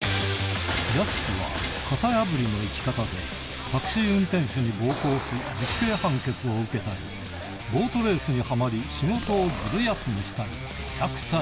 やすしは、型破りの生き方で、タクシー運転手に暴行し、実刑判決を受けたり、ボートレースにはまり、仕事をずる休みしたり、むちゃくちゃ。